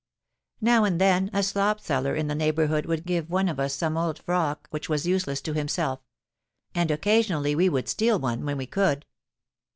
Now and then a slop seller in the neighbourhood would give one of us some old frock which was useless to himself: and occasionally we would steal one, when we could.